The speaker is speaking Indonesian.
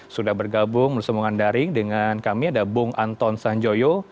sudah bergabung bersama daring dengan kami ada bung anton sanjoyo